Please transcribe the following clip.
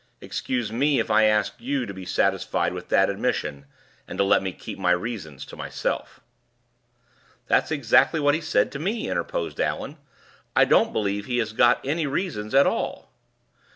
"Excuse me if I ask you to be satisfied with that admission, and to let me keep my reasons to myself." "That's exactly what he said to me," interposed Allan. "I don't believe he has got any reasons at all."